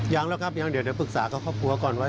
ยังแล้วครับยังเดี๋ยวปรึกษากับครอบครัวก่อนไว้